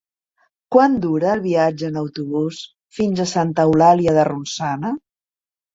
Quant dura el viatge en autobús fins a Santa Eulàlia de Ronçana?